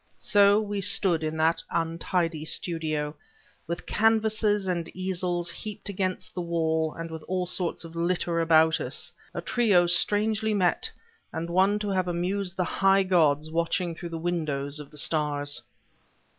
So we stood in that untidy studio, with canvases and easels heaped against the wall and with all sorts of litter about us, a trio strangely met, and one to have amused the high gods watching through the windows of the stars.